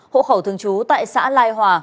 hộ khẩu thường trú tại xã lai hòa